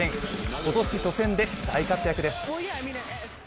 今年初戦で大活躍です。